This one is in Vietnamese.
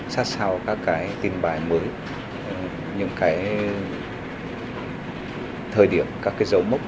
sát sao các tin bài mới những thời điểm các dấu mốc